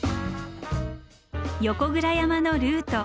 横倉山のルート。